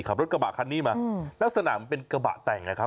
ขับรถกระบะคันนี้มาลักษณะมันเป็นกระบะแต่งนะครับ